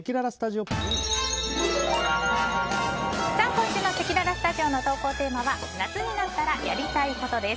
今週のせきららスタジオの投稿テーマは夏になったらやりたいことです。